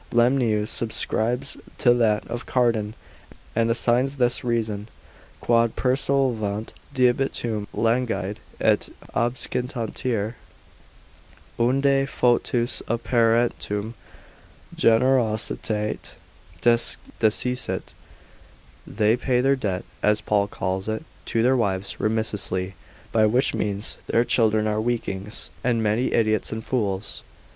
Lemnius subscribes to that of Cardan, and assigns this reason, Quod persolvant debitum languide, et obscitanter, unde foetus a parentum generositate desciscit: they pay their debt (as Paul calls it) to their wives remissly, by which means their children are weaklings, and many times idiots and fools.